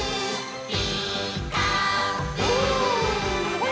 「ピーカーブ！」